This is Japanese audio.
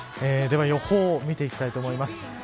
では予報を見ていきたいと思います。